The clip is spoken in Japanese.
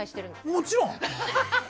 もちろん。